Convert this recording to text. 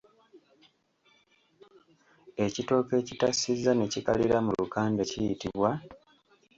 Ekitooke ekitassizza ne kikalira mu lukande kiyitibwa?